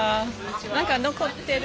何か残ってる？